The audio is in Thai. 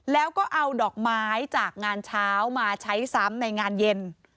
แล้วก็เอาดอกไม้จากงานเช้ามาใช้ซ้ำในงานเย็น